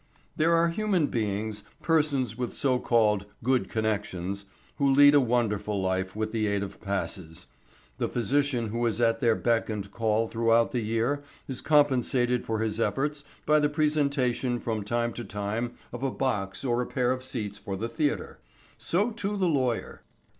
There are human beings, persons with so called "good connections," who lead a wonderful life with the aid of passes. The physician who is at their beck and call throughout the year is compensated for his efforts by the presentation from time to time of a box or a pair of seats for the theatre. So, too, the lawyer.